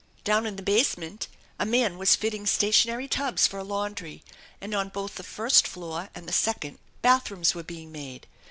Down in the basement a man was fitting stationary tubs for a laundry, and on both the first floor and the second bath rooms were being made.